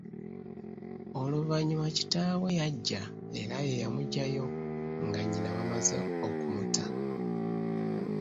Oluvanyuma kitaawe yajja era yeeyamuggyayo nga nnyina bamaze okumutta.